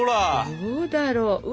どうだろう。